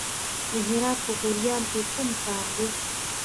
د هرات په غوریان کې کوم کان دی؟